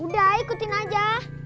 udah ikutin aja